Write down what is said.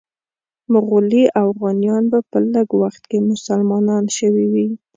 مغولي اوغانیان به په لږ وخت کې مسلمانان شوي وي.